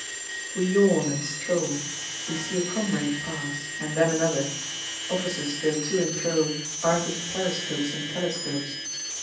We yawn and stroll. We see a comrade pass and then another. Officers go to and fro, armed with periscopes and telescopes.